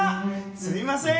すみません